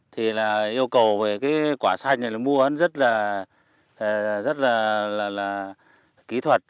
thì yêu cầu về quả xanh này mua rất là kỹ thuật